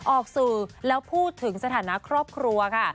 ออกสื่อแล้วพูดถึงสถานะครอบครัวค่ะ